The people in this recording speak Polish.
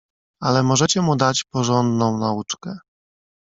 "Ale możecie mu dać porządną nauczkę."